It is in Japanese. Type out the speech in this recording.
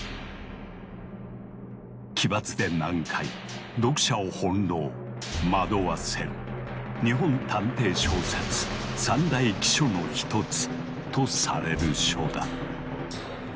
奇抜で難解読者を翻弄惑わせる「日本探偵小説三大奇書の一つ」とされる書だ。